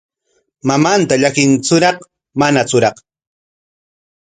¿Mamanta llakintsuraq manatsuraq?